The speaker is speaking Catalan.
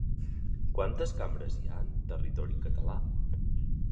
Quantes cambres hi ha en territori català?